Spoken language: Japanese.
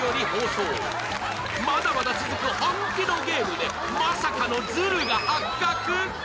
まだまだ続く本気のゲームでまさかのズルが発覚？